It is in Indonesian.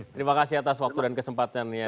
terima kasih atas waktu dan kesempatannya